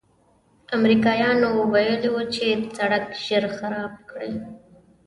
امریکایانو ویلي و چې سړک ژر خراب کړي.